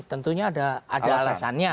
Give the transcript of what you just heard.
tentunya ada alasannya